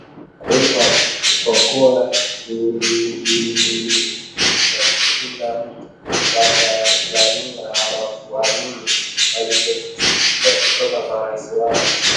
Taifa kwakua ulimgusa kila mtu, Watanzania hawakuamini walichokisikia kutoka kwa Rais wao